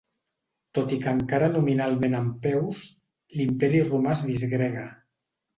Tot i que encara nominalment en peus, l'Imperi romà es disgrega.